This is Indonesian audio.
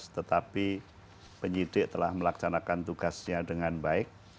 tetapi penyidik telah melaksanakan tugasnya dengan baik